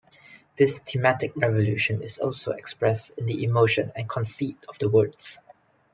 This thematic revolution is also expressed in the emotion and conceit of the words.